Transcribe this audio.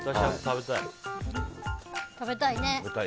食べたいね。